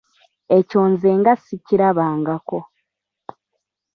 Ekyo nze nga sikirabangako!